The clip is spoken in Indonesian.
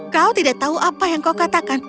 kau tidak tahu apa yang kau katakan